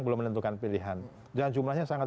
belum menentukan pilihan dan jumlahnya sangat